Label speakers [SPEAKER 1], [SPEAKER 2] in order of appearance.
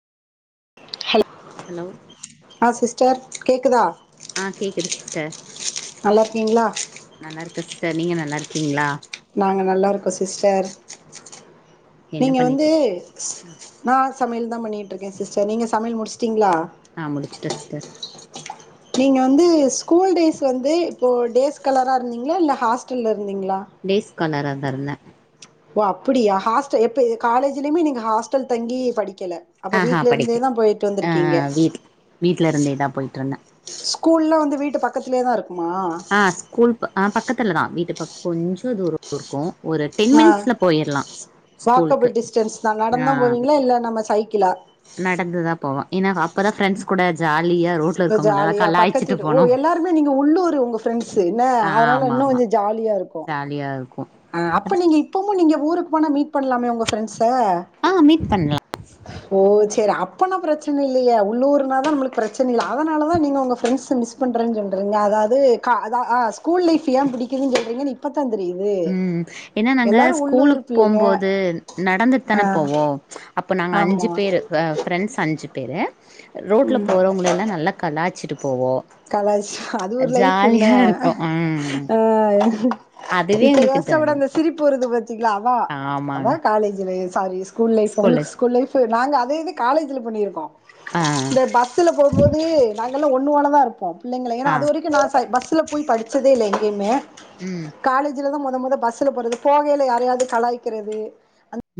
[SPEAKER 1] hello
[SPEAKER 2] hello
[SPEAKER 1] ஆ sister கேக்குதா
[SPEAKER 2] ஆ கேக்குது சிஸ்டர்
[SPEAKER 1] நல்லா இருக்கீங்களா
[SPEAKER 2] நல்லாருக்கே சிஸ்டர் நீங்க நல்லாருக்கீங்ளா
[SPEAKER 1] நாங்க நல்லாருக்கோ சிஸ்டர்
[SPEAKER 2] என்ன
[SPEAKER 1] நீங்க
[SPEAKER 2] பண்ணிட்டு
[SPEAKER 1] வந்து
[SPEAKER 2] ஆ
[SPEAKER 1] நா சமையல் தா பண்ணிட்டு இருக்கே சிஸ்டர் நீங்க சமையல் முடிச்சுட்டீங்ளா
[SPEAKER 2] நா முடிச்சுட்டே சிஸ்டர்
[SPEAKER 1] நீங்க வந்து ஸ்கூல் டேஸ் வந்து இப்போ டேஸ் காலரா இருந்தீங்ளா இல்ல ஹாஸ்டல்ல இருந்தீங்ளா
[SPEAKER 2] டேஸ் காலரா தா இருந்தேன்
[SPEAKER 1] ஓ அப்படியா ஹாஸ்டல் எப்ப இ காலேஜ்லயுமே நீங்க ஹாஸ்டல் தங்கி படிக்கல அப்ப
[SPEAKER 2] ஆஹா
[SPEAKER 1] வீட்ல
[SPEAKER 2] படிக்கு
[SPEAKER 1] இருந்தேதா போயிட்டு
[SPEAKER 2] ஆ
[SPEAKER 1] வந்திருக்கீங்க
[SPEAKER 2] வீட் வீட்ல இருந்தேதா போயிட்டு இருந்தே
[SPEAKER 1] ஸ்கூல்லா வந்து வீட்டு பக்கத்துலே தா இருக்குமா
[SPEAKER 2] ஆ ஸ்கூல் ப பக்கத்துல தா வீட்டு பக் கொஞ்ச தூர இருக்கு ஒரு டென்
[SPEAKER 1] ஆ
[SPEAKER 2] மினிட்ஸ்ல போயிர்லா
[SPEAKER 1] வாக்கபிள் டிஸ்டன்ஸ் தா நடந்துதா போவீங்ளா இல்ல நம்ம சைக்கிளா
[SPEAKER 2] நடந்துதா போவே ஏனா அ ப்பதா ஃப்ரெண்ட்ஸ் கூட ஜாலியா ரோட்ல
[SPEAKER 1] இப்ப
[SPEAKER 2] இருக்கவ்ங்களெல்லா
[SPEAKER 1] ஜாலியா
[SPEAKER 2] கலாய்ச்சிட்டு போணு
[SPEAKER 1] ஃப்ரெண்ட்ஸு இன்ன அதனால இன்னு கொஞ்ச ஜாலியா இருக்கு
[SPEAKER 2] ஜாலியா இருக்கு
[SPEAKER 1] அ
[SPEAKER 2] அத
[SPEAKER 1] அப்ப நீங்க இப்பமு நீங்க ஊருக்கு போனா மீட் பண்லாமே ஒங்க ஃப்ரெண்ட்ஸ
[SPEAKER 2] ஆ மீட் பண்லா
[SPEAKER 1] ஓ சேரி அப்பனா பிரச்சன இல்லையே உள்ளூர்னாதா நம்மளுக்கு பிரச்சனயே அதனால தா நீங்க உங்க ஃப்ரெண்ட்ஸ மிஸ் பண்றே சொல்றீங்ள அதாவ்து கா அதா ஆ ஸ்கூல் லைஃப் ஏ பிடிக்குதுன் சொல்றீங்கன் இப்பத்தா தெரியிது
[SPEAKER 2] ம் ஏனா நாங்கள் ஸ்கூலுக்கு போம்போது நடந்துட்டு தான
[SPEAKER 1] ஆ
[SPEAKER 2] போவோ அப்ப நாங்க அஞ்சு
[SPEAKER 1] ஆமா
[SPEAKER 2] பேரு எ ஃபிரண்ட்ஸ் அஞ்சு பேரு ரோட்ல போறவங்களெல்லா நல்லா கலாச்சிட்டு போவோ
[SPEAKER 1] கலாச்சு அது ஒரு லைஃப் என்ன
[SPEAKER 2] ஜாலியா இருக்கு ம்
[SPEAKER 1] ஆ
[SPEAKER 2] அதுவே
[SPEAKER 1] இப்ப
[SPEAKER 2] எங்களுக்கு
[SPEAKER 1] யோசிச்சா கூட
[SPEAKER 2] ஜாலியா
[SPEAKER 1] அந்த
[SPEAKER 2] இருக்கு
[SPEAKER 1] சிரிப்பு வருது பாத்தீங்ளா அதா அதா
[SPEAKER 2] ஆமாங்க
[SPEAKER 1] காலேஜ் லைஃப் சாரிஸ் ஸ்கூல் லைஃப் ஒங்களுக்கு ஸ்கூல் லைஃபு நாங்க அதே இத காலேஜ்ல பண்ணிருக்கோ
[SPEAKER 2] ஆ
[SPEAKER 1] இந்த பஸ்ல போம்போது நாங்கலா ஒன்னுமண்ணாதா இருப் இல்லைங்ளா ஏனா
[SPEAKER 2] ஆ
[SPEAKER 1] அது வரைக்கு நா சை பஸ்ல போய் படிச்சதே இல்ல எங்கேயுமே
[SPEAKER 2] ம்
[SPEAKER 1] காலேஜ்ல தா மொத மொத பஸ்ல போறது போகைல யாரையாவ்து கலாய்க்கிறது